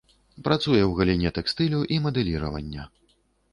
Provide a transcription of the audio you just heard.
Працуе ў галіне тэкстылю і мадэліравання.